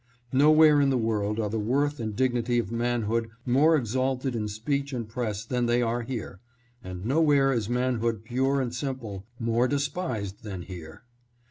Nowhere in the world are the worth and dignity of man hood more exalted in speech and press than they are here, and nowhere is manhood pure and simple more despised than here.